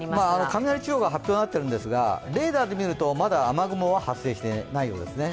雷注意報が発表になっているんですが、レーダーで見るとまだ雨雲は発生していないようですね。